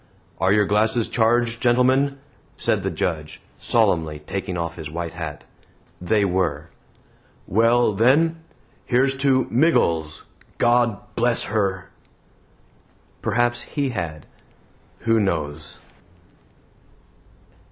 "Are your glasses charged, gentlemen?" said the Judge, solemnly taking off his white hat. They were. "Well, then, here's to MIGGLES. GOD BLESS HER!" Perhaps He had. Who knows?